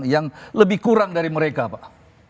yang lebih kurang dari mereka pak